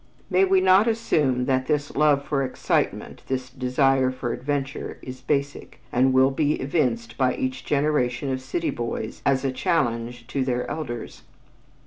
May we not assume that this love for excitement, this desire for adventure, is basic, and will be evinced by each generation of city boys as a challenge to their elders?